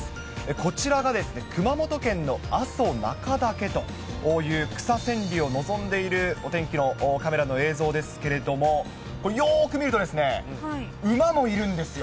こちらがですね、熊本県の阿蘇中岳という草千里を望んでいるお天気のカメラの映像ですけれども、よーく見ると、馬もいるんですよ。